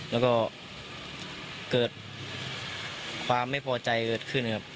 แล้วก็เกิดความไม่พอใจเกิดขึ้นครับ